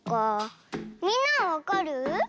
みんなはわかる？